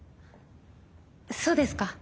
そうですか。